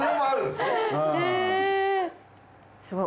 すごい。